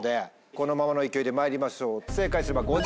このままの勢いでまいりましょう正解すれば。